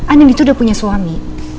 anen itu udah punya suami